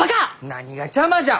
なにが「邪魔」じゃ！